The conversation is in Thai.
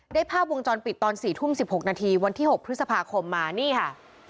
ภาพวงจรปิดตอน๔ทุ่ม๑๖นาทีวันที่๖พฤษภาคมมานี่ค่ะ